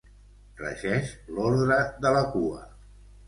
Regeix l'ordre de la cua.